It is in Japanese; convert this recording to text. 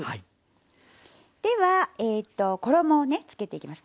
では衣をねつけていきます。